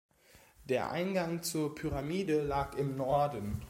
Der Eingang zur Pyramide lag im Norden.